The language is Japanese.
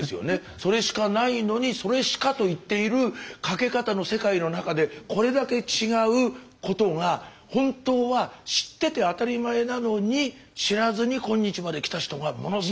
それしかないのに「それしか」と言っているかけ方の世界の中でこれだけ違うことが本当は知ってて当たり前なのに知らずに今日まできた人がものすごく多いんだと。